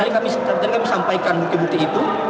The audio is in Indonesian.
kami sampaikan bukti bukti itu